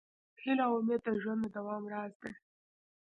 هیله او امید د ژوند د دوام راز دی.